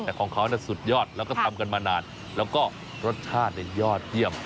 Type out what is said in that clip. แต่ของเขาสุดยอดแล้วก็ทำกันมานานแล้วก็รสชาติยอดเยี่ยม